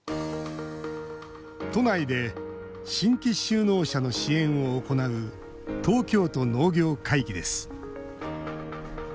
都内で新規就農者の支援を行う東京都農業会議です。